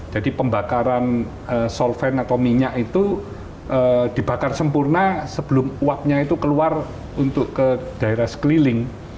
jadi pembakaran solvent atau minyak itu dibakar sempurna sebelum uapnya itu keluar untuk ke daerah sekeliling